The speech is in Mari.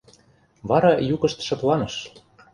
Вара йӱкышт шыпланыш.